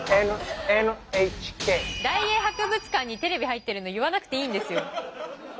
大英博物館にテレビ入ってるの言わなくていいんですよ。